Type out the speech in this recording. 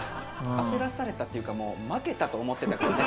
焦らされたっていうかもう負けたと思ってたからね